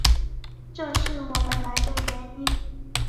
这是我们来的原因。